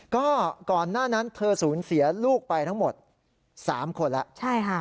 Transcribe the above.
ก็ก่อนหน้านั้นเธอสูญเสียลูกไปทั้งหมด๓คนแล้วใช่ค่ะ